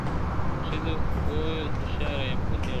ښځي وویل هوښیاره یم پوهېږم !.